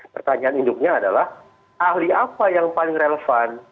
pertanyaan induknya adalah ahli apa yang paling relevan